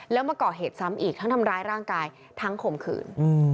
แล้วมาก่อเหตุซ้ำอีกทั้งทำร้ายร่างกายทั้งข่มขืน